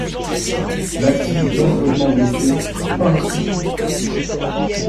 Ma fille dangereusement blessée, pas un sou!